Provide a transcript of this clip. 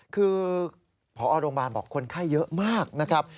คือพอโรงพยาบาลบอกคนไข้เยอะมากนะครับ